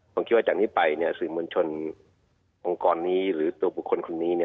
ผมคิดว่าจากนี้ไปสื่อมวลชนองค์กรนี้หรือตัวบุคคลคนนี้